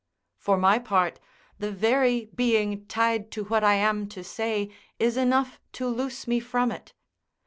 For my part, the very being tied to what I am to say is enough to loose me from it.